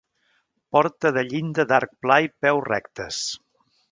Porta de llinda d'arc pla i peus rectes.